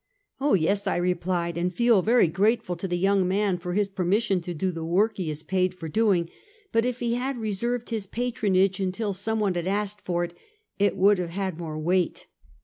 Ohj yes," I replied, " and feel very grateful to the young man for liis permission to do the work he is paid for doing, but if he had reserved his patronage until some one had asked for it, it would have had more weight."